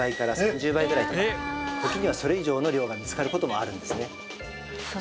時にはそれ以上の量が見つかることもあるんですね。